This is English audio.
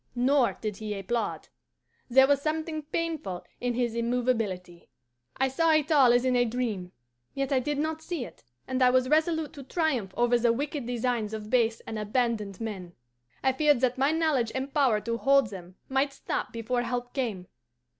Nor did he applaud. There was something painful in his immovability. "I saw it all as in a dream, yet I did see it, and I was resolute to triumph over the wicked designs of base and abandoned men. I feared that my knowledge and power to hold them might stop before help came.